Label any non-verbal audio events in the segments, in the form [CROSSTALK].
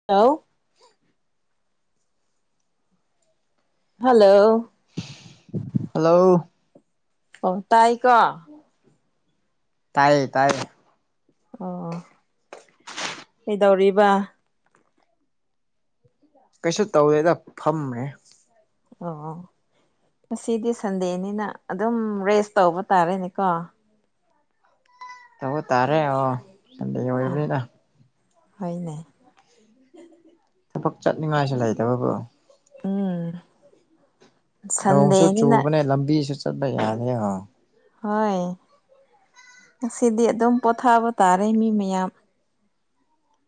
[UNINTELLIGIBLE] hello hello ꯑꯣ ꯇꯥꯏꯀꯣ ꯇꯥꯏꯌꯦ ꯇꯥꯏ ꯑꯣ ꯀꯩꯗꯧꯔꯤꯕ ꯀꯩꯁꯨ ꯇꯧꯋꯦꯗ ꯐꯝꯃꯦ ꯑꯣ ꯉꯁꯤꯗꯤ ꯁꯟꯗꯦꯅꯤꯅ ꯑꯗꯨꯝ ꯔꯦꯁ ꯇꯧꯕ ꯇꯥꯔꯦꯅꯦꯀꯣ ꯇꯧ ꯇꯥꯔꯦ ꯑꯣ ꯁꯟꯗꯦ ꯎꯝ ꯑꯣꯏꯕꯅꯤꯅ ꯍꯣꯏꯅ ꯊꯕꯛ ꯆꯠꯅꯤꯡꯉꯥꯏꯁꯨ ꯂꯩꯇꯦꯕꯕꯣ ꯎꯝ ꯅꯣꯡꯁꯨ ꯁꯟꯗꯦꯅꯤꯅ ꯆꯨꯕꯅꯦ ꯂꯝꯕꯤꯁꯨ ꯆꯠꯄ ꯌꯥꯅꯤ ꯑꯥ ꯍꯣꯏ ꯉꯁꯤꯗꯤ ꯑꯗꯨꯝ ꯄꯣꯊꯥꯕ ꯇꯥꯔꯦ ꯃꯤ ꯃꯌꯥꯝ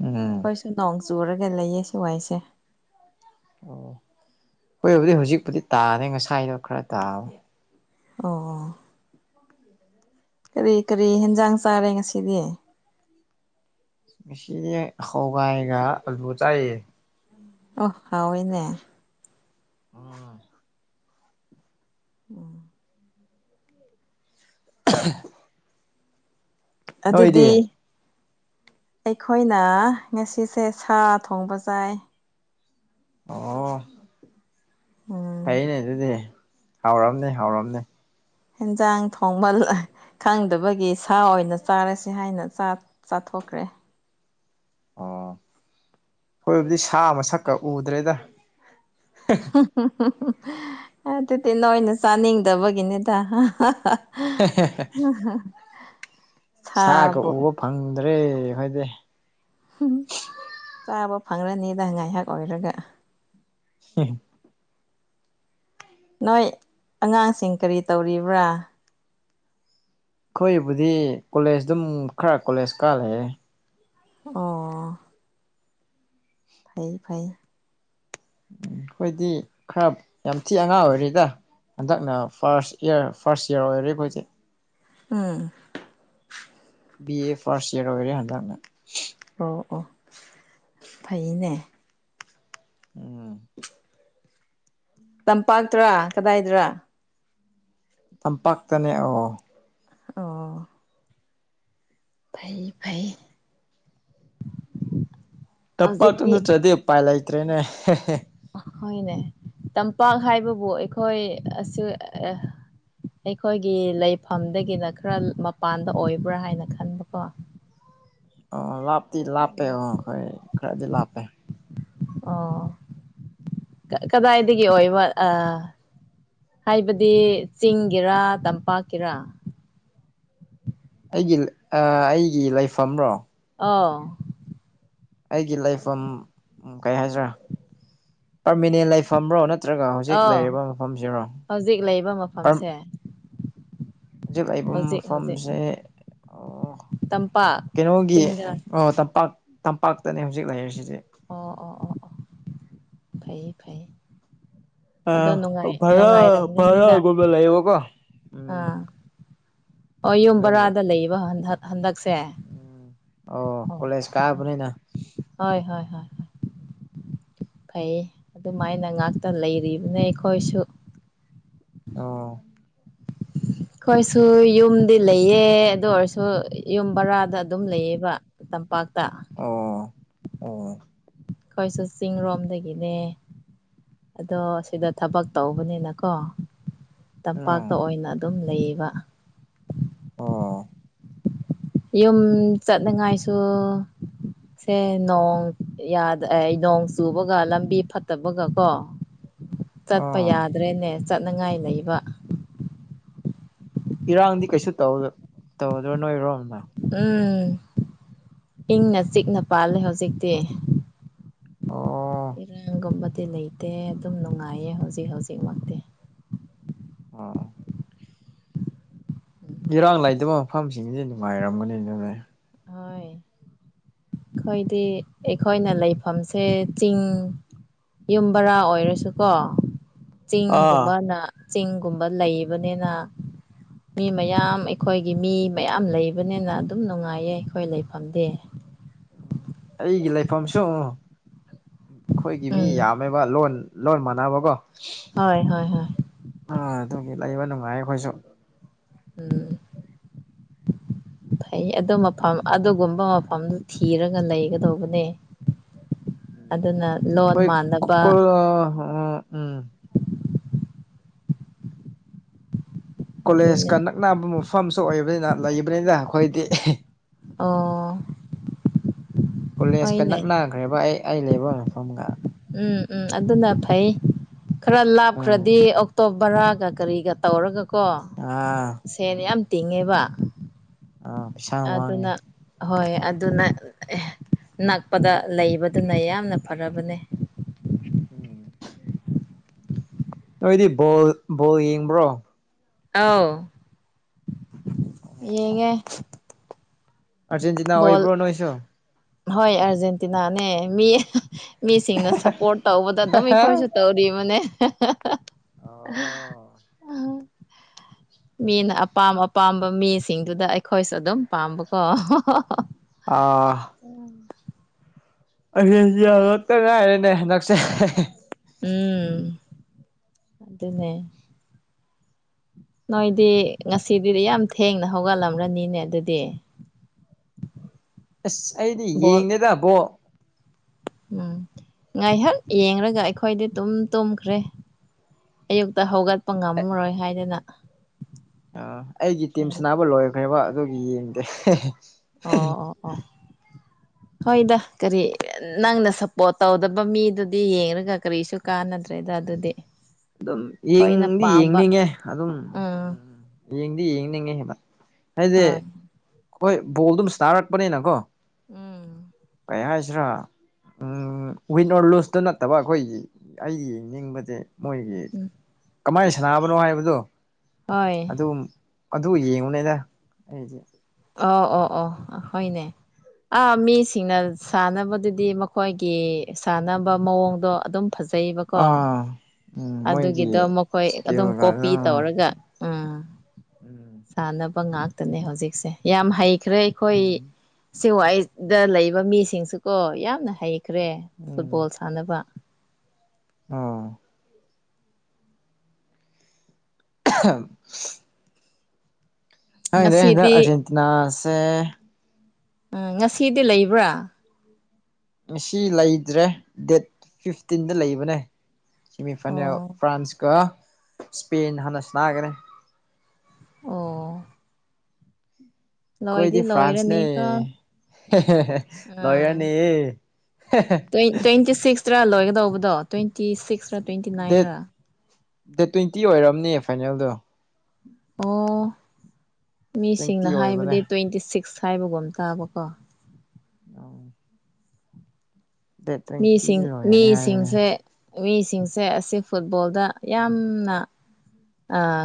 ꯎꯝ ꯑꯩꯈꯣꯏꯁꯨ ꯅꯣꯡ ꯆꯨꯔꯒ ꯂꯩꯌꯦ ꯁꯤ ꯋꯥꯏꯁꯦ ꯑꯣ ꯍꯣꯏꯕꯨꯗꯤ ꯍꯧꯖꯤꯛꯄꯨꯗꯤ ꯇꯥꯅꯤ ꯉꯁꯥꯏꯗꯣ ꯈꯔ ꯇꯥꯕ ꯑꯣ ꯑꯣ ꯀꯔꯤ ꯀꯔꯤ ꯍꯦꯟꯖꯥꯡ ꯆꯥꯔꯦ ꯉꯁꯤꯗꯤ ꯏꯁꯤ ꯍꯧꯋꯥꯏꯒ ꯑꯂꯨꯒꯥ ꯆꯥꯏꯌꯦ ꯑꯣ ꯍꯥꯑꯣꯏꯅꯦ ꯎꯝ ꯑꯣ [UNINTELLIGIBLE] ꯅꯣꯏꯗꯤ ꯑꯗꯨꯗꯤ ꯑꯩꯈꯣꯏꯅ ꯉꯁꯤꯁꯦ ꯁꯥ ꯊꯣꯡꯕ ꯆꯥꯏ ꯑꯣ ꯎꯝ ꯐꯩꯅꯦ ꯑꯗꯨꯗꯤ ꯍꯥꯎꯔꯝꯅꯦ ꯍꯥꯎꯔꯝꯅꯦ ꯍꯟꯖꯥꯡ ꯊꯣꯡꯕ ꯈꯪꯗꯕꯒꯤ ꯁꯥ ꯑꯣꯏꯅ ꯆꯥꯔꯁꯤ ꯍꯥꯏꯅ ꯆꯥꯊꯣꯛꯈ꯭ꯔꯦ ꯑꯣ ꯑꯩꯈꯣꯏꯕꯨꯗꯤ ꯁꯥ ꯃꯁꯛꯀ ꯎꯗ꯭ꯔꯦꯗ [UNINTELLIGIBLE] ꯑꯗꯨꯗꯤ ꯅꯣꯏꯅ ꯆꯥꯅꯤꯡꯗꯕꯒꯤꯅꯤꯗ [UNINTELLIGIBLE] [UNINTELLIGIBLE] [UNINTELLIGIBLE] ꯁꯥꯀ ꯁꯥꯕꯨ ꯎꯕ ꯐꯪꯗ꯭ꯔꯦ ꯍꯣꯏꯗꯤ ꯆꯥꯕ ꯐꯪꯂꯅꯤꯗ ꯉꯥꯏꯍꯥꯛ ꯑꯣꯏꯔꯒ [UNINTELLIGIBLE] ꯅꯣꯏ ꯑꯉꯥꯡꯁꯤꯡ ꯀꯔꯤ ꯇꯧꯔꯤꯕ꯭ꯔꯥ ꯑꯩꯈꯣꯏꯕꯨꯗꯤ ꯀꯣꯂꯦꯖ ꯑꯗꯨꯝ ꯈꯔ ꯀꯣꯂꯦꯖ ꯀꯥ ꯂꯩꯔꯦ ꯑꯣ ꯐꯩ ꯐꯩ ꯎꯝ ꯑꯩꯈꯣꯏꯗꯤ ꯈꯔ ꯌꯥꯝ ꯊꯤ ꯑꯉꯥꯡ ꯑꯣꯏꯔꯤꯗ ꯍꯟꯗꯛꯅ ꯐꯥꯔꯁ ꯏꯌꯥꯔ ꯐꯥꯔꯁ ꯏꯌꯥꯔ ꯑꯣꯏꯔꯦ ꯑꯩꯈꯣꯏꯁꯦ ꯎꯝ ꯕꯤ ꯑꯦ ꯐꯥꯔꯁꯠ ꯏꯌꯥꯔ ꯑꯣꯏꯔꯦ ꯍꯟꯗꯛꯅ ꯑꯣ ꯑꯣ ꯐꯩꯅꯦ ꯎꯝ ꯇꯝꯄꯥꯛꯇ꯭ꯔꯥ ꯀꯗꯥꯏꯗꯔꯥ ꯇꯝꯄꯥꯛꯇꯅꯦ ꯑꯣ ꯑꯣ ꯐꯩ ꯐꯩ ꯍꯧꯖꯤꯛꯇꯤ ꯇꯞꯄꯥꯛꯥꯛꯇꯗ ꯆꯗꯦ ꯎꯄꯥꯏ ꯂꯩꯇ꯭ꯔꯦꯅꯦ ꯑ ꯍꯣꯏꯅꯦ ꯇꯝꯄꯥꯛ ꯍꯥꯏꯕꯕꯨ ꯑꯩꯈꯣꯏ ꯑꯁꯦ ꯑꯦ ꯑꯩꯈꯣꯏꯒꯤ ꯂꯩꯐꯝꯗꯒꯤꯅ ꯈꯔ ꯃꯄꯥꯟꯗ ꯑꯣꯏꯕ꯭ꯔꯥ ꯍꯥꯏꯅ ꯈꯟꯕꯀꯣ ꯑꯣ ꯂꯥꯞꯇꯤ ꯂꯥꯞꯄꯦ ꯑꯣ ꯈꯣꯏ ꯈꯔꯗꯤ ꯂꯥꯞꯄꯦ ꯑꯣ ꯀꯗꯥꯏꯗꯒꯤ ꯑꯣꯏꯕ ꯑꯥ ꯍꯥꯏꯕꯗꯤ ꯆꯤꯡꯒꯤꯔ ꯇꯝꯄꯥꯛꯀꯤꯔꯥ ꯑꯩꯒꯤ ꯑꯩꯒꯤ ꯂꯩꯐꯝꯔꯣ ꯑꯥ ꯑꯩꯒꯤ ꯂꯩꯐꯝ ꯀꯩ ꯍꯥꯏꯁꯤꯔꯥ ꯄꯔꯃꯤꯅꯦꯟ ꯂꯩꯐꯝ꯭ꯔꯣ ꯅ ꯅꯠꯇ꯭ꯔꯒ ꯍꯧꯖꯤꯛ ꯑꯧ ꯂꯩꯔꯤꯕ ꯃꯐꯝꯁꯤꯔꯣ ꯍꯧꯖꯤꯛ ꯂꯩꯕ ꯃꯐꯝꯁꯦ ꯍꯧꯖꯤꯛ ꯂꯕ ꯍꯧꯖꯤꯛ ꯍꯧꯖꯤꯛ ꯃꯐꯝꯁꯦ ꯇꯝꯄꯥꯛ ꯀꯩꯅꯣꯒꯤ ꯆꯤꯡꯗꯔ ꯑꯣ ꯇꯝꯄꯥꯛ ꯇꯝꯄꯥꯛꯇꯅꯦ ꯍꯧꯖꯤꯛ ꯂꯩꯔꯤꯁꯤꯗꯤ ꯑꯣ ꯑꯣ ꯑꯣ ꯑꯣ ꯐꯩꯌꯦ ꯐꯩꯌꯦ ꯑ ꯔ ꯐꯔꯒꯨꯝꯕꯂ ꯏꯕꯀꯣ ꯑꯥ ꯑꯣ ꯌꯨꯝ ꯑꯗꯨꯝꯒꯤ ꯕꯔꯥꯗ ꯂꯩꯕ ꯍꯟꯗꯛꯁꯦ ꯎꯝ ꯑꯣ ꯍꯣꯏ ꯀꯣꯂꯦꯖ ꯀꯥꯕꯅꯤꯅ ꯍꯣꯏ ꯍꯣꯏ ꯍꯣꯏ ꯐꯩ ꯑꯗꯨꯃꯥꯏꯅ ꯉꯥꯛꯇ ꯂꯩꯔꯤꯕꯅꯤ ꯑꯩꯈꯣꯏꯁꯨ ꯑ ꯑꯩꯈꯣꯏꯁꯨ ꯌꯨꯝꯗꯤ ꯂꯩꯑ ꯑꯗꯨ ꯑꯣꯏꯔꯁꯨ ꯌꯨꯝ ꯕꯔꯥꯗ ꯑꯗꯨꯝ ꯂꯩꯌꯦꯕ ꯇꯝꯄꯥꯛꯇ ꯑꯣ ꯑꯣ ꯑꯩꯈꯣꯏꯁꯨ ꯆꯤꯡꯔꯣꯝꯗꯒꯤꯅꯦ ꯑꯗꯣ ꯁꯤꯗ ꯊꯕꯛ ꯇꯧꯕꯅꯤꯅꯀꯣ ꯇꯝꯄꯥꯛꯇ ꯎꯝ ꯑꯣꯏꯅ ꯑꯗꯨꯝ ꯂꯩꯌꯦꯕ ꯑꯣ ꯌꯨꯝ ꯆꯠꯅꯉꯥꯏꯁꯨ ꯁꯦ ꯅꯣꯡꯗ ꯅꯣꯡ ꯆꯨꯕꯒ ꯂꯝꯕꯤ ꯐꯠꯇꯕꯒ ꯀꯣ ꯆꯠꯄ ꯑꯣ ꯌꯥꯗ꯭ꯔꯦꯅꯦ ꯆꯠꯅꯉꯥꯏ ꯂꯩꯕ ꯏꯔꯥꯡꯗꯤ ꯀꯩꯁꯨ ꯇꯧꯗꯣ ꯇꯧꯗ꯭ꯔꯣ ꯅꯣꯏꯔꯣꯝꯃ ꯎꯝ ꯏꯪꯅ ꯆꯤꯛꯅ ꯄꯥꯜꯂꯦ ꯍꯧꯖꯤꯛꯇꯤ ꯑꯣ ꯏ ꯔꯥꯡꯒꯝꯕ ꯇꯤ ꯂꯩ ꯗꯦ ꯑꯗꯨꯝ ꯅꯨꯡꯉꯥꯏꯌꯦ ꯍꯧꯖꯤꯛ ꯍꯧꯖꯤꯛꯃꯛꯇꯤ ꯑꯣ ꯎꯝ ꯏꯔꯥꯡ ꯂꯩꯇꯕ ꯃꯐꯝꯁꯤꯡꯁꯦ ꯅꯨꯡꯉꯥꯏꯔꯝꯒꯅꯤ ꯑꯗꯨꯅꯦ ꯍꯣꯏ ꯑꯩꯈꯣꯏꯗꯤ ꯑꯩꯈꯣꯏꯅ ꯂꯩꯐꯝꯁꯦ ꯆꯤꯡ ꯌꯨꯝꯕꯔꯥ ꯑꯣꯏꯔꯁꯨꯀꯣ ꯑꯥ ꯆꯤꯡꯒꯨꯝꯕꯅ ꯆꯤꯡꯒꯨꯝꯕ ꯂꯩꯕꯅꯤꯅ ꯃꯤ ꯃꯌꯥꯝ ꯑꯩꯈꯣꯏꯒꯤ ꯃꯤ ꯃꯌꯥꯝ ꯂꯩꯕꯅꯤꯅ ꯑꯗꯨꯝ ꯅꯨꯡꯉꯥꯏꯌꯦ ꯑꯩꯈꯣꯏ ꯂꯩꯐꯝꯗꯤ ꯎꯝ ꯑꯩꯒꯤ ꯂꯩꯐꯝꯁꯨ ꯑꯩꯈꯣꯏꯒꯤ ꯃꯤ ꯎꯝ ꯌꯥꯝ ꯊꯝꯃꯦꯕ ꯂꯣꯟ ꯂꯣꯟ ꯃꯥꯟꯅꯕꯀꯣ ꯍꯣꯏ ꯍꯣꯏ ꯍꯣꯏ ꯑ ꯑꯗꯨꯒꯤ ꯂꯩꯕ ꯅꯨꯡꯉꯥꯏ ꯑꯩꯈꯣꯏꯁꯨ ꯎꯝ ꯐꯩ ꯑꯗꯨ ꯃꯐꯝ ꯑꯗꯨꯒꯨꯝꯕ ꯃꯐꯝꯗꯨ ꯊꯤꯔꯒ ꯂꯩꯒꯗꯧꯕꯅꯦ ꯑꯗꯨꯅ ꯂꯣꯟ ꯃꯥꯟꯅꯕ ꯑꯣ ꯑꯣ ꯎꯝ ꯑꯗꯨꯅꯦ ꯀꯣꯂꯦꯖꯀ ꯅꯛꯅꯕ ꯃꯐꯝꯁꯨ ꯑꯣꯏꯕꯅꯤꯅ ꯂꯩꯕꯅꯤꯅ ꯑꯩꯈꯣꯏꯗꯤ ꯑꯣ ꯀꯣꯂꯦꯖꯀ ꯍꯣꯏꯅꯦ ꯅꯛꯅꯈ꯭ꯔꯦꯕ ꯑꯩ ꯑꯩ ꯂꯩꯕ ꯃꯐꯝꯒ ꯎꯝ ꯎꯝ ꯑꯗꯨꯅ ꯐꯩ ꯈꯔ ꯂꯥꯞꯈ꯭ꯔꯗꯤ ꯎꯝ ꯑꯣꯛꯇꯣ ꯕꯔꯥꯒ ꯀꯔꯤꯒ ꯇꯧꯔꯒꯀꯣ ꯑꯥ ꯁꯦꯟ ꯌꯥꯝ ꯎꯝ ꯇꯤꯡꯉꯦꯕ ꯑꯥ ꯄꯩꯁꯥ ꯑꯗꯨꯅ ꯃꯥꯡꯉꯦ ꯍꯣꯏ ꯑꯗꯨꯅ ꯑꯦ ꯅꯛꯄꯗ ꯂꯩꯕꯗꯨꯅ ꯌꯥꯝꯅ ꯐꯔꯕꯅꯦ ꯎꯝ ꯅꯣꯏꯗꯤ ꯕꯣꯜ ꯕꯣꯜ ꯌꯦꯡꯕ꯭ꯔꯣ ꯑꯥꯎ ꯌꯦꯡꯉꯦ ꯑꯔꯖꯦꯟꯇꯤꯅꯥ ꯕꯣꯜ ꯑꯣꯏꯕ꯭ꯔꯣ ꯅꯣꯏꯁꯨꯣ ꯍꯣꯏ ꯑꯔꯖꯦꯟꯇꯤꯅꯥꯅꯦ ꯃꯤ ꯃꯤꯁꯤꯡꯅ ꯁꯞꯄꯣꯔꯠ ꯇꯧꯕꯗ ꯑꯗꯨꯝ ꯑꯩꯈꯣꯏꯁꯨ ꯇꯧꯔꯤꯕꯅꯦ ꯎꯝ ꯃꯤꯅ ꯑꯄꯥꯝ ꯑꯄꯥꯝꯕ ꯃꯤꯁꯤꯡꯗꯨꯗ ꯑꯩꯈꯣꯏꯁꯨ ꯑꯗꯨꯝ ꯄꯥꯝꯕꯀꯣ ꯑ ꯑꯩꯁꯨ ꯉꯇ ꯉꯥꯏꯔꯦꯅꯦ ꯍꯟꯗꯛꯁꯦ ꯎꯝ ꯑꯗꯨꯅꯦ ꯅꯣꯏꯗꯤ ꯉꯁꯤꯗꯤꯗꯤ ꯌꯥꯝ ꯊꯦꯡꯅ ꯍꯧꯒꯠꯂꯝ꯭ꯔꯅꯤꯅꯦ ꯑꯗꯨꯗꯤ [UNINTELLIGIBLE] ꯑꯁ ꯑꯩꯗꯤ ꯕꯣꯜ ꯌꯦꯡꯗꯦꯗꯕꯣ ꯎꯝ ꯉꯥꯏꯍꯥꯛ ꯌꯦꯡꯔꯒ ꯑꯩꯈꯣꯏꯗꯤ ꯑꯗꯨꯨꯝ ꯇꯨꯝꯈ꯭ꯔꯦ ꯑꯌꯨꯛꯇ ꯍꯧꯒꯠꯄ ꯉꯝꯃꯔꯣꯏ ꯍꯥꯏꯗꯅ ꯑ ꯑꯩꯒꯤ ꯇꯤꯝ ꯌꯥꯝ ꯁꯅꯥꯕ ꯂꯣꯏꯈ꯭ꯔꯦꯕ ꯑꯗꯨꯒꯤ ꯌꯦꯡꯗꯦ ꯍꯦꯍꯦ ꯑꯣ ꯑꯣ ꯑꯣ ꯍꯣꯏꯗ ꯀꯔꯤ ꯅꯪꯅ ꯁꯞꯄꯣꯔꯠ ꯇꯧꯗꯕ ꯃꯤꯗꯨꯗꯤ ꯌꯦꯡꯔꯒ ꯀꯔꯤꯁꯨ ꯀꯥꯟꯅꯗ꯭ꯔꯦꯗ ꯑꯗꯨꯗꯤ ꯑꯗꯨꯝ ꯑꯩꯈꯣꯏꯅ ꯌꯦꯡꯗꯤ ꯄꯥꯝꯕ ꯌꯦꯡꯅꯤꯡꯉꯦ ꯑꯗꯨꯝ ꯎꯝ ꯎꯝ ꯌꯦꯡꯗꯤ ꯌꯦꯡꯅꯤꯡꯉꯦ ꯍꯦꯕ ꯍꯥꯏꯗꯤꯦ ꯍꯣꯏ ꯍꯣꯏ ꯕꯣꯜ ꯑꯗꯨꯝꯥꯟꯔꯛꯄꯅꯤꯅꯀꯣ ꯎꯝ ꯀꯩ ꯍꯥꯏꯁꯤꯔꯥ ꯎꯝ ꯋꯤꯟ ꯑꯣꯔ ꯂꯨꯁꯇꯨ ꯅꯠꯇꯕ ꯑꯩꯈꯣꯏꯒꯤ ꯑꯩ ꯌꯦꯡꯅꯤꯡꯕꯁꯦ ꯃꯣꯏꯒꯤ ꯎꯝ ꯀꯃꯥꯏꯅ ꯁꯥꯟꯅꯕꯅꯣ ꯍꯥꯏꯕꯗꯣ ꯍꯣꯏ ꯑꯗꯨꯝ ꯑꯗꯨ ꯌꯦꯡꯉꯨꯅꯦꯗ ꯑꯩꯁꯦ ꯑꯣ ꯑꯣ ꯑꯣ ꯍꯅꯦ ꯑꯥ ꯃꯤꯁꯤꯡꯅ ꯁꯥꯟꯅꯕꯗꯨꯗꯤ ꯃꯈꯣꯏꯒꯤ ꯁꯥꯟꯅꯕ ꯃꯑꯣꯡꯗꯣ ꯑꯗꯨꯝ ꯐꯖꯩꯕꯀꯣ ꯑꯥ ꯎꯝ ꯃꯣꯏꯒꯤ ꯑꯗꯨꯒꯤꯗꯣ ꯃꯈꯣꯏ ꯑꯗꯨꯝ ꯏꯁꯀꯤꯜꯒꯗꯣ ꯀꯣꯄꯤ ꯇꯧꯔꯒ ꯑꯥ ꯎꯝ ꯇꯥꯅꯕ ꯉꯥꯛꯇꯅꯦ ꯍꯧꯖꯤꯛꯁꯦ ꯌꯥꯝ ꯍꯩꯈ꯭ꯔꯦ ꯑꯩꯈꯣꯏ ꯎꯝ ꯁꯤꯦ ꯋꯥꯏꯗ ꯂꯩꯕ ꯃꯤꯁꯤꯡꯁꯤꯀꯣ ꯌꯥꯝꯅ ꯍꯩꯈ꯭ꯔꯦ ꯎꯝ ꯐꯨꯠꯕꯣꯜ ꯁꯥꯟꯅꯕ ꯑꯥ ꯑ ꯍꯅꯦ ꯑꯩ ꯍꯟꯗꯛ ꯉꯁꯤꯗꯤ ꯑꯥꯔꯖꯦꯟꯇꯤꯅꯥꯁꯦ ꯎꯝ ꯉꯁꯤꯗꯤ ꯂꯩꯕ꯭ꯔꯥ ꯉ ꯂꯩꯇ꯭ꯔꯦ ꯗꯦꯠ ꯐꯤꯐꯇꯤꯟꯗ ꯂꯩꯕꯅꯦ ꯁꯤꯦꯃꯤ ꯐꯥꯏꯅꯦꯜ ꯑꯣ ꯐ꯭ꯔꯥꯟꯁꯀ ꯁ꯭ꯄꯦꯟ ꯍꯥꯟꯅ ꯁꯅꯒꯅꯦ ꯑꯣ ꯂꯣꯏꯗꯤ ꯀꯣꯏꯗꯤ ꯐ꯭ꯔꯥꯟꯁꯅꯦ ꯂꯣꯏꯔꯅꯤꯀꯣ ꯂꯣꯌꯔꯅꯤ ꯇ꯭ ꯇ꯭ꯋꯦꯟꯇꯤ ꯁꯤꯛꯁꯇꯔꯥ ꯂꯣꯏꯒꯗꯧꯕꯗꯣ ꯇ꯭ꯋꯦꯟꯇꯤ ꯁꯤꯛꯁꯔꯥ ꯇ꯭ꯋꯦꯟꯇꯤ ꯗꯦꯠ ꯅꯥꯏꯟꯔꯥ ꯗꯦꯠ ꯇ꯭ꯋꯦꯟꯇꯤ ꯑꯣꯏꯔꯕꯝꯅꯦ ꯐꯥꯏꯅꯦꯜꯗꯣ ꯑꯣ ꯇ꯭ꯋꯦꯟꯇꯤ ꯃꯤꯁꯤꯡꯅ ꯑꯣꯏꯕꯅꯦ ꯍꯥꯏꯕꯗꯤ ꯇ꯭ꯋꯦꯟꯇꯤ ꯁꯤꯛꯁ ꯍꯥꯏꯕꯒꯨꯝ ꯇꯥꯕꯀꯣ ꯑ ꯃꯤꯁꯤꯡ ꯂꯣꯏꯔꯅꯤ ꯍꯥꯏꯕꯅꯦ ꯃꯤꯁꯤꯡꯁꯦ ꯃꯤꯁꯤꯡꯁꯦ ꯑꯁꯤ ꯐꯨꯠꯕꯣꯜꯗ ꯌꯥꯝꯅ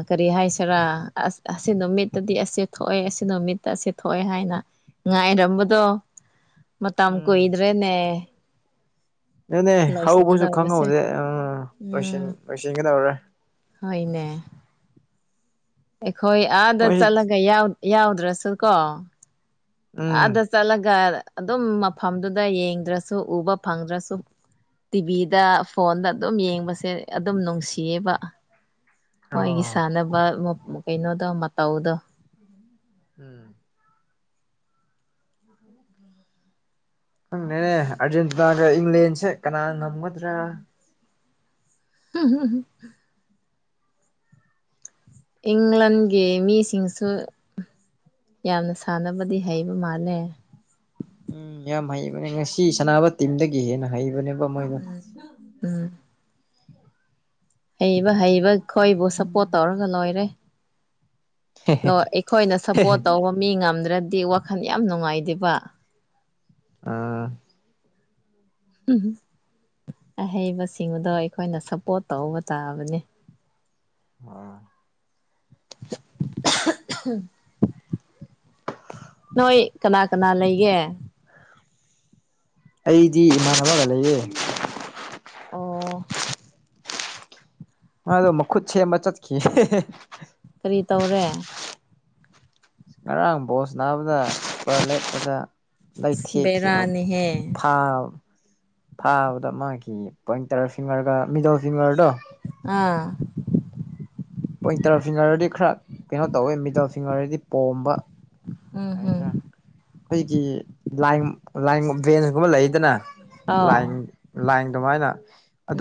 ꯀꯔꯤ ꯍꯥꯏꯁꯤꯔꯥ ꯑꯁ ꯑꯁꯤ ꯅꯨꯃꯤꯠꯇꯗꯤ ꯑꯁꯤ ꯊꯣꯛꯑꯦ ꯑꯁꯤ ꯅꯨꯃꯤꯠꯇ ꯑꯁꯤ ꯊꯣꯛꯑꯦ ꯍꯥꯏꯅ ꯉꯥꯏꯔꯝꯕꯗꯣ ꯃꯇꯝ ꯀꯨꯏꯗ꯭ꯔꯦꯅꯦ ꯅꯅꯦ ꯍꯧꯕꯁꯨ ꯂꯣꯏꯁꯤꯟꯒꯗꯧꯕꯁꯦ ꯈꯪꯍꯧꯗꯦ ꯎꯝ ꯂꯣꯏꯁꯤꯟꯒꯗꯧꯔꯦ ꯍꯣꯏꯅꯦ ꯑꯩꯈꯣꯏ ꯑꯥꯗ ꯃꯣꯏꯁꯤ ꯆꯠꯂꯒ ꯌꯥꯎꯗ꯭ꯔꯁꯨ ꯀꯣ ꯎꯝ ꯑꯥꯗ ꯆꯠꯂꯒ ꯑꯗꯨꯝ ꯃꯐꯝꯗꯨꯗ ꯌꯦꯡꯗ꯭ꯔꯁꯨ ꯎꯕ ꯐꯪꯗ꯭ꯔꯁꯨ ꯇꯤꯚꯤꯗ ꯐꯣꯟꯗ ꯑꯗꯨꯝ ꯌꯦꯡꯕꯁꯦ ꯑꯗꯨꯝ ꯅꯨꯡꯁꯤꯌꯦꯕ ꯑꯣ ꯃꯣꯏꯒꯤ ꯁꯥꯟꯅꯕ ꯀꯩꯅꯣꯗꯣ ꯃꯇꯧꯗꯣ ꯎꯝ ꯎ ꯈꯪꯅꯦꯅꯦ ꯑꯥꯔꯖꯦꯟꯇꯤꯅꯥꯒ ꯏꯪꯂꯦꯟꯁꯦ ꯀꯅꯥ ꯉꯝꯒꯗ꯭ꯔꯥ ꯍꯝ ꯍ ꯍ ꯏꯪꯂꯥꯟꯒꯤ ꯃꯤꯁꯤꯡꯁꯨ ꯌꯥꯝꯅ ꯁꯥꯟꯅꯕꯗꯤ ꯍꯩꯕ ꯃꯥꯜꯂꯦ ꯎꯝ ꯌꯥꯝ ꯍꯩꯕꯅꯦ ꯉꯁꯤ ꯁꯅꯥꯅꯕ ꯇꯤꯝꯗꯒꯤ ꯍꯦꯟꯅ ꯍꯩꯕꯅꯦꯕ ꯃꯣꯏꯅ ꯎꯝ ꯎꯝ ꯍꯩꯕ ꯍꯩꯕ ꯑꯩꯈꯣꯏꯕꯨ ꯁꯞꯄꯣꯔꯠ ꯇꯧꯔꯒ ꯂꯣꯏꯔꯦ ꯑꯩꯈꯣꯏꯅ ꯁꯞꯄꯣꯔꯠ ꯇꯧꯕ ꯃꯤ ꯉꯝꯗ꯭ꯔꯗꯤ ꯋꯥꯈꯜ ꯌꯥꯝ ꯅꯨꯡꯉꯥꯏꯇꯦꯕ ꯑꯥ ꯑꯍꯩꯕꯁꯤꯡꯗꯣ ꯑꯩꯈꯣꯏꯅ ꯁꯞꯄꯣꯔꯠ ꯇꯧꯕ ꯇꯥꯕꯅꯦ ꯑ [INAUDIBLE] ꯅꯣꯏꯣꯏ ꯀꯅꯥ ꯀꯅꯥ ꯂꯩꯒꯦ ꯑꯩꯗꯤ ꯏꯃꯥꯟꯅꯕꯒ ꯂꯩꯌꯦ ꯑꯣ ꯑꯗꯣ ꯃꯨꯠꯁꯦ ꯃꯆꯠꯈꯤ ꯀꯔꯤ ꯇꯧꯔꯦ ꯉꯔꯥꯡ ꯕꯣꯁ ꯅꯥꯕꯗ ꯂꯦꯠꯄꯗ ꯂꯩ ꯊꯀꯤꯕ ꯕꯦꯔꯥꯅꯤꯍꯦ ꯐꯥ ꯐꯥꯕꯗ ꯃꯥꯒꯤ ꯄꯣꯏꯟꯇꯔ ꯐꯤꯡꯒꯔꯒ ꯃꯤꯗꯜ ꯐꯤꯡꯒꯔꯗꯣ ꯑꯥ ꯄꯣꯏꯟꯇꯔ ꯐꯤꯡꯒꯔꯗꯤ ꯈꯔ ꯀꯩꯅꯣ ꯇꯧꯋꯦ ꯃꯤꯗꯜ ꯐꯤꯡꯒꯔꯗꯤ ꯄꯣꯝꯕ ꯎꯝ ꯍꯝ ꯑꯩꯈꯣꯏꯒꯤ ꯂ ꯂ ꯕꯦꯟꯁꯒꯨꯝꯕ ꯂꯩꯗꯅ ꯑꯥꯎ ꯂꯥꯏ ꯂꯥꯏꯟ ꯑꯗꯨꯃꯥꯏꯅ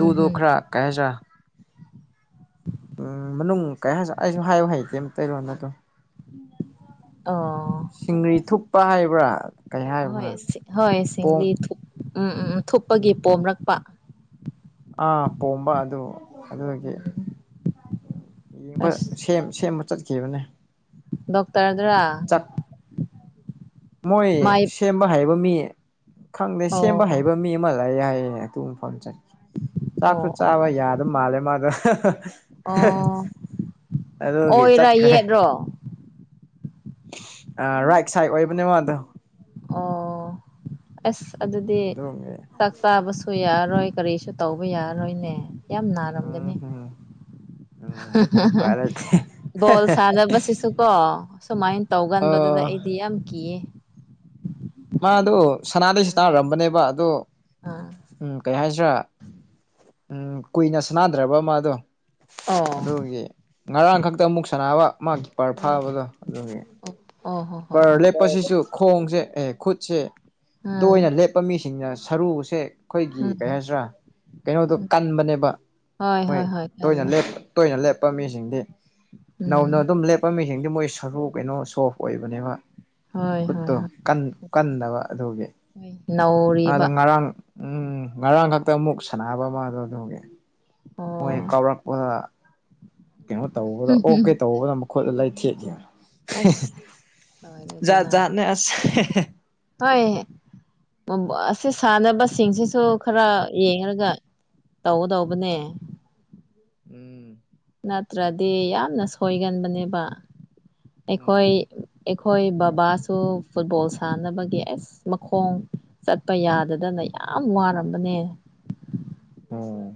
ꯎꯝ ꯍꯝ ꯈꯔ ꯀꯩ ꯍꯥꯏꯁꯤꯔꯥ ꯎꯝ ꯃꯅꯨꯡ ꯀꯩ ꯑꯩꯁꯨ ꯍꯥꯏꯌꯨ ꯍꯩꯇꯦ ꯑꯃꯝ ꯀꯔꯣꯅ ꯑꯗꯨꯝ ꯑꯣ ꯁꯤꯡꯒꯔꯤ ꯊꯨꯞꯄ ꯍꯥꯏꯕ꯭ꯔꯥ ꯀꯩ ꯍꯥꯏꯕ꯭ꯔꯥ ꯑꯍꯣꯏ ꯍꯣꯏ ꯄꯣꯝ ꯁꯤꯡꯂꯤ ꯎꯝ ꯎꯝ ꯊꯨꯞꯄꯒꯤ ꯄꯣꯝꯔꯛꯄ ꯑꯥ ꯄꯣꯝꯕ ꯑꯗꯨ ꯑꯗꯨꯗꯒꯤ [INAUDIBLE] ꯎ ꯌꯦꯡꯕ ꯑꯁ ꯁꯦꯝꯕ ꯆꯠꯈꯤꯕꯅꯦ ꯗꯣꯛꯇꯔꯗꯔꯥ ꯆꯥꯛ ꯃꯣꯏ ꯃꯥꯏ ꯁꯦꯝꯕ ꯍꯥꯏꯩꯕ ꯃꯤ ꯈꯪꯗꯦ ꯁꯦꯝꯕ ꯑꯣ ꯍꯥꯏꯩꯕ ꯃꯤ ꯇꯍꯜꯂꯛꯑꯦ ꯍꯥꯏꯌꯦꯡ ꯑꯗꯨꯨꯝꯕꯐꯝ ꯆꯠꯦ ꯆꯥꯛꯁꯨ ꯑꯣ ꯑꯣ ꯆꯥꯕ ꯑꯣ ꯌꯥꯗꯕ ꯃꯥꯜꯂꯦ ꯃꯥꯗꯣ ꯑꯣ ꯑꯗꯨꯒꯤ ꯑꯣꯏꯔ ꯆꯠꯈ꯭ꯔꯦ ꯌꯦꯠꯔꯣ ꯑ ꯔꯥꯏꯠ ꯁꯥꯏꯠ ꯑꯣꯏꯕꯅꯦ ꯃꯥꯗꯣ ꯑꯣ ꯑꯁ ꯑꯗꯨꯗꯤ ꯑꯗꯨꯒꯤ ꯆꯥꯕꯁꯨ ꯌꯥꯔꯔꯣꯏ ꯀꯔꯤꯁꯨ ꯇꯧꯕ ꯌꯥꯔꯣꯏꯅꯦ ꯌꯥꯝ ꯅꯥꯔꯝꯒꯅꯤ ꯎꯝ ꯎꯝ ꯎꯝ ꯎꯄꯥꯏ [UNINTELLIGIBLE] ꯂꯩꯇꯦ ꯕꯣꯜ ꯁꯥꯟꯅꯕꯁꯤꯁꯨ ꯀꯣ ꯁꯨꯃꯥꯏꯅ ꯇꯧꯒꯟꯕꯗꯨꯗ ꯑꯣ ꯑꯩꯗꯤ ꯌꯥꯝ ꯀꯤꯌꯦ ꯃꯥ ꯑꯗꯨ ꯁꯅꯥꯗꯩꯁꯨ ꯇꯥꯔꯔꯝꯕꯅꯦꯕ ꯑꯗꯨ [INAUDIBLE] ꯎꯝ ꯀꯩ ꯍꯥꯏꯁꯤ꯭ꯔꯥ ꯎꯝ ꯀꯨꯏꯅ ꯁꯅꯗ꯭ꯔꯕ ꯑꯃ ꯑꯗꯣ ꯑꯣ ꯑꯗꯨꯒꯤ ꯉꯔꯥꯡ ꯈꯛꯇ ꯑꯃꯨꯛ ꯁꯅꯕ ꯃꯥ ꯀꯤ ꯄꯔ ꯐꯥꯕꯗꯣ ꯑꯗꯨꯒꯤ ꯑꯣ ꯍꯣ ꯍꯣ ꯀꯤꯄꯔ ꯂꯦꯞꯄꯁꯤꯁꯨ ꯈꯣꯡꯁꯦ ꯑꯦ ꯈꯨꯠꯁꯦ ꯎꯝ ꯇꯣꯏꯅ ꯂꯦꯞꯄ ꯃꯤꯁꯤꯡꯅ ꯁꯔꯨꯁꯦ ꯑꯩꯈꯣꯏꯒꯤ ꯎꯝ ꯀꯩ ꯍꯥꯏꯁꯤꯔꯥ ꯀꯩꯅꯣꯗꯣ ꯎꯝ ꯀꯟꯕꯅꯦꯕ ꯍꯣꯏ ꯍꯣꯏ ꯃꯣꯏ ꯍꯣꯏ ꯇꯣꯏꯅ ꯈꯜꯂꯦ ꯂꯦꯞꯄ ꯇꯣꯏꯅ ꯂꯦꯞꯄ ꯃꯤꯁꯤꯡꯗꯤ ꯅꯧꯅ ꯎꯝ ꯑꯗꯨꯝ ꯂꯦꯞꯄ ꯃꯤꯁꯤꯡꯗꯤ ꯃꯣꯏ ꯁꯔꯨ ꯀꯩꯅꯣ ꯁꯣꯐ ꯑꯣꯏꯕ ꯑꯗꯨꯅꯦꯕ ꯍꯣꯏ ꯍꯣꯏ ꯈꯨꯠꯇꯣ ꯍꯣꯏ ꯀꯟꯗꯕ ꯑꯗꯨꯒꯤ ꯅꯧꯔꯤ ꯑ ꯑꯗꯣ ꯉꯔꯥꯡ ꯎꯝ ꯉꯔꯥꯡ ꯈꯛꯇ ꯑꯃꯨꯛ ꯁꯥꯟꯅꯕ ꯑꯃꯗꯣ ꯑꯗꯨꯒꯤ ꯃꯣꯏ ꯍꯦꯛ ꯑꯣ ꯀꯥꯎꯔꯛꯄꯗ ꯀꯩꯅꯣ ꯇꯧꯕꯗ ꯑꯣꯀꯦ ꯇꯧꯕꯗꯣꯠꯂ ꯂꯩ ꯊꯦꯠꯂꯤꯦ ꯑꯁ ꯆꯥꯛ ꯂꯣꯏꯔꯦꯗꯅ ꯖꯥꯠ ꯅꯦ ꯑꯁꯦ ꯍꯣꯏ ꯑꯁꯤ ꯁꯥꯟꯅꯕꯁꯤꯡꯁꯤꯁꯨ ꯈꯔ ꯌꯦꯡꯉꯒ ꯇꯧꯗꯧꯕꯅꯦ ꯎꯝ ꯅꯠꯇ꯭ꯔꯗꯤ ꯌꯥꯝꯅ ꯁꯣꯏꯒꯟꯕꯅꯦꯕ ꯎꯝ ꯑꯩꯈꯣꯏ ꯑꯩꯈꯣꯏ ꯕꯕꯥꯁꯨ ꯐꯨꯠꯕꯣꯜ ꯁꯥꯟꯅꯕꯒꯤ ꯑꯁ ꯃꯈꯣꯡ ꯆꯠꯄ ꯌꯥꯗꯗꯅ ꯌꯥꯝ ꯋꯥꯔꯝꯕꯅꯦ ꯑꯣꯝ